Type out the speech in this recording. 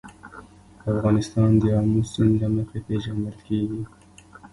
افغانستان د آمو سیند له مخې پېژندل کېږي.